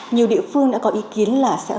nhiều địa phương đã có ý kiến là